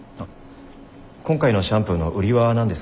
今回のシャンプーの売りは何ですか？